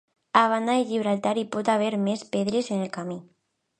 A banda de Gibraltar, hi pot haver més pedres en el camí.